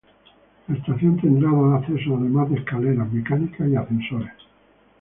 La estación tendrá dos accesos además de escaleras mecánicas y ascensores.